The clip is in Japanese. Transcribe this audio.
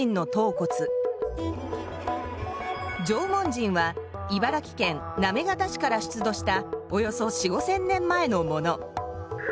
１縄文人は茨城県行方市から出土したおよそ４，０００５，０００年前のもの。